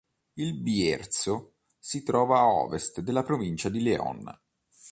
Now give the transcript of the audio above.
Il Bierzo si trova a ovest della provincia di León.